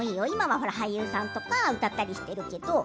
今は俳優さんとか歌ったりとかしているけど。